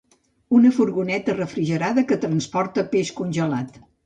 Una furgoneta refrigerada que transporta peix congelat.